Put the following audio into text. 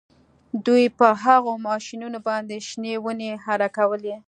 دوی په هغو ماشینونو باندې شنې ونې اره کولې